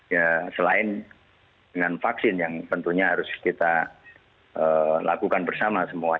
ya selain dengan vaksin yang tentunya harus kita lakukan bersama semua